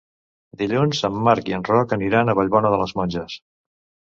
Dilluns en Marc i en Roc aniran a Vallbona de les Monges.